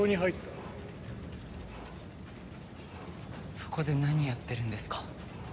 そこで何やってるんですか？